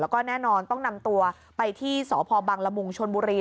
แล้วก็แน่นอนต้องนำตัวไปที่สพบังละมุงชนบุรี